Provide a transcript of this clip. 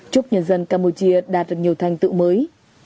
chúc nhân dân campuchia đạt được nhiều thành tựu mới